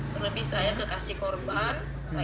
terlebih saya kekasih korban